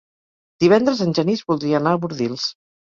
Divendres en Genís voldria anar a Bordils.